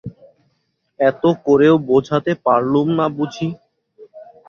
এত করেও বোঝাতে পারলুম না বুঝি।